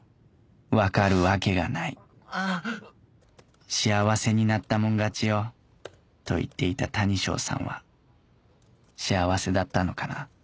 ⁉分かるわけがない「幸せになったもん勝ちよ」と言っていた谷ショーさんは幸せだったのかな？